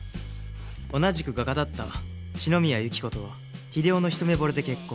同じく画家だった四ノ宮由希子とは英夫の一目惚れで結婚